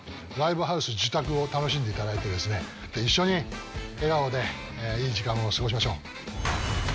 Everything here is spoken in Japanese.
ライブハウス自宅を楽しんでいただいて一緒に笑顔でいい時間を過ごしましょう！